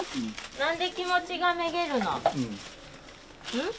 なんで気持ちがめげるの？